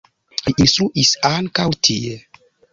Li instruis ankaŭ tie.